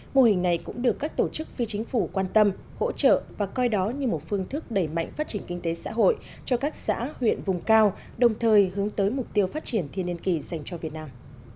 mô hình này cũng được các tổ chức phi chính phủ quan tâm hỗ trợ và coi đó như một phương thức đẩy mạnh phát triển kinh tế xã hội cho các xã huyện vùng cao đồng thời hướng tới mục tiêu phát triển thiên niên kỳ dành cho việt nam